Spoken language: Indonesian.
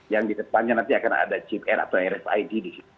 yang di depannya nanti akan ada chip r atau rfid